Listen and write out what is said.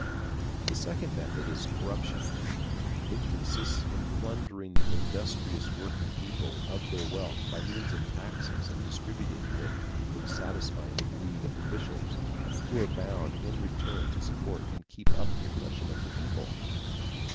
The second method is corruption. It consists in plundering the industrious working people of their wealth by means of taxes and distributing it in satisfying the greed of officials, who are bound in return to support and keep up the oppression of the people.